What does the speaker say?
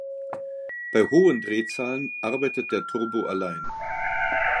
Bei hohen Drehzahlen arbeitet der Turbo allein.